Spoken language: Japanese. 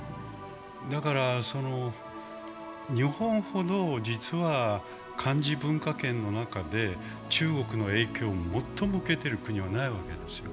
だから、日本ほど実は漢字文化圏の中で中国の影響を最も受けてる国はないわけですよ。